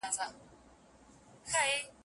د ژوندون په سِر پوه نه سوم څه حُباب غوندي ځواني وه